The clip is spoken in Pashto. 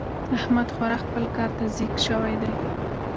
احمد خورا خپل کار ته ځيږ شوی دی.